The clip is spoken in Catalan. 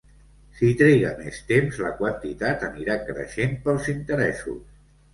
Si triga més temps, la quantitat anirà creixent pels interessos.